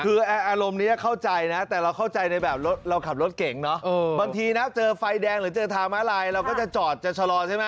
คืออารมณ์นี้เข้าใจนะแต่เราเข้าใจในแบบรถเราขับรถเก่งเนาะบางทีนะเจอไฟแดงหรือเจอทางมาลายเราก็จะจอดจะชะลอใช่ไหม